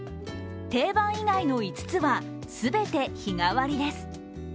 定番以外の５つはすべて日替わりです。